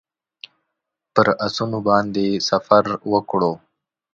پر آسونو باندې سفر وکړو.